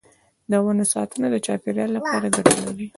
د ونو ساتنه د چاپیریال لپاره ګټه لري.